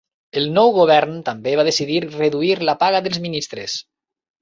El nou govern també va decidir reduïr la paga dels ministres.